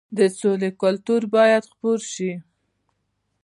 د سولې کلتور باید خپور شي.